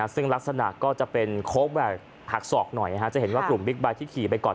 ซึ่งลักษณะก็จะเป็นโค้กแบบหักศอกหน่อยจะเห็นว่ากลุ่มบิ๊กไบท์ที่ขี่ไปก่อน